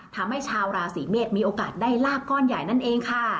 ทำให้ชาวราศีเมษมีโอกาสได้ลาบก้อนใหญ่นั่นเองค่ะ